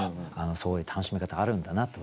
そういう楽しみ方あるんだなと。